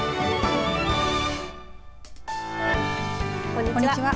こんにちは。